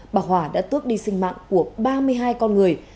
bà hòa đã tước đi sinh mạng của ba mươi hai con người